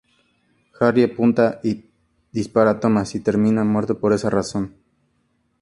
Harry apunta y dispara a Thomas y termina muerto por esa razón.